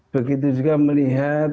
begitu juga melihat